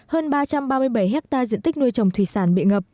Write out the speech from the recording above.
hơn ba trăm ba mươi bảy hectare diện tích nuôi trồng thủy sản bị ngập